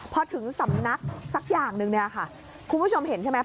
พอถึงสำนักสักอย่างหนึ่งเนี่ยค่ะคุณผู้ชมเห็นใช่ไหม